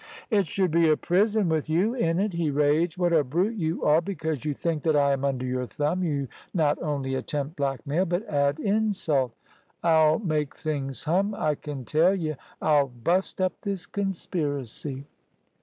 "It should be a prison with you in it," he raged. "What a brute you are! Because you think that I am under your thumb, you not only attempt blackmail, but add insult." "I'll make things hum, I kin tell y'. I'll bust up this conspiracy."